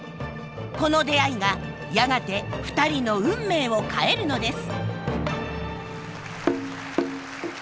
この出会いがやがて２人の運命を変えるのです。